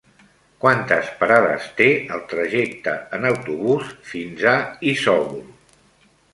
Quantes parades té el trajecte en autobús fins a Isòvol?